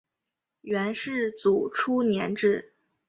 元世祖初年置。